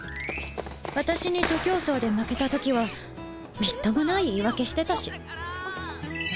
私に徒競走で負けた時はみっともない言い訳してたし今朝足をくじいたから！